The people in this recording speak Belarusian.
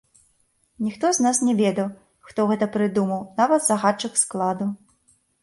Ніхто з нас не ведаў, хто гэта прыдумаў, нават загадчык складу.